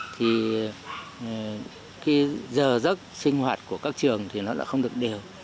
thì khi giờ rất sinh hoạt của các trường thì nó đã không được đều